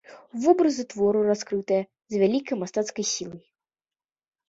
Вобразы твору раскрытыя з вялікай мастацкай сілай.